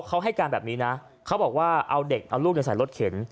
เขาให้การแบบนี้นะเขาบอกว่าเอาเด็กเอาลูกใส่รถเข็น